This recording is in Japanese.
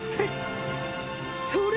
それ！